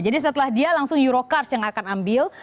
jadi setelah dia langsung eurocars yang akan ambil